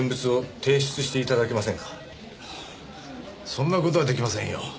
そんな事は出来ませんよ。